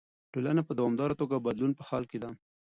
ټولنه په دوامداره توګه د بدلون په حال کې ده.